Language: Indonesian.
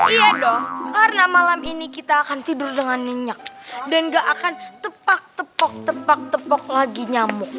iya dong karena malam ini kita akan tidur dengan minyak dan gak akan tepak tepak tepak tepak lagi nyamuk